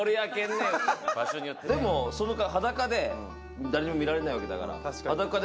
でも裸でも誰にも見られないわけだから。